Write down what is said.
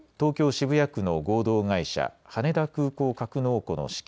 渋谷区の合同会社、羽田空港格納庫の資金